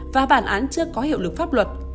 và bản án chưa có hiệu lực pháp luật